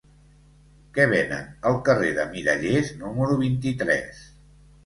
Què venen al carrer de Mirallers número vint-i-tres?